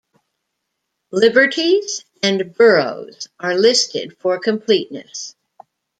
Liberties and Boroughs are listed for completeness.